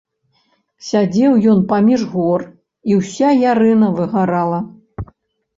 Сядзеў ён паміж гор, і ўся ярына выгарала.